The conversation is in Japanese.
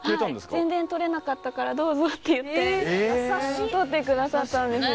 全然取れなかったからどうぞっていって取ってくださったんです。